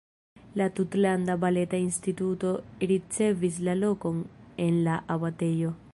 La Tutlanda Baleta Instituto ricevis lokon en la abatejo.